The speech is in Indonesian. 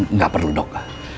nggak perlu dok